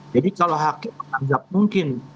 jadi kalau hakim menganggap mungkin